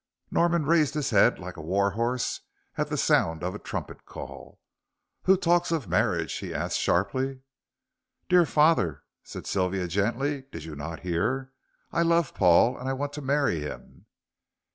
Norman raised his head like a war horse at the sound of a trumpet call. "Who talks of marriage?" he asked sharply. "Dear father," said Sylvia, gently, "did you not hear? I love Paul, and I want to marry him."